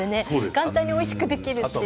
簡単においしくできると。